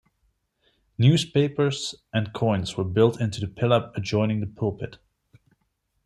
Newspapers and coins were built into the pillar adjoining the pulpit.